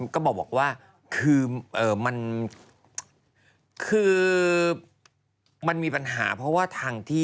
ก็บอกว่ามันมีปัญหาเพราะทางที่